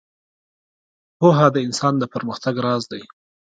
• پوهه د انسان د پرمختګ راز دی.